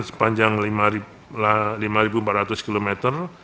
sepanjang lima empat ratus kilometer